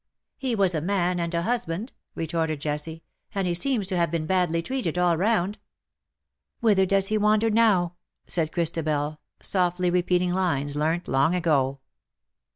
" He was a man and a husband/' retorted Jessie ;" and he seems to have been badly treated all round." '^ Whither does he wander now ?" said Chris tabel_, softly repeating lines learnt long ago.